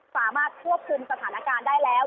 สามารถควบคุมสถานการณ์ได้แล้ว